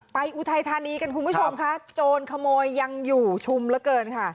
อุทัยธานีกันคุณผู้ชมค่ะโจรขโมยยังอยู่ชุมเหลือเกินค่ะ